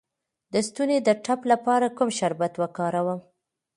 د ستوني د ټپ لپاره کوم شربت وکاروم؟